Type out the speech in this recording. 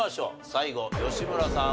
最後吉村さん